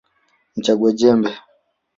Mchagua jembe